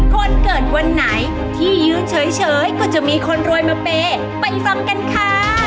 คนเกิดวันไหนที่ยืนเฉยก็จะมีคนรวยมาเปย์ไปฟังกันค่ะ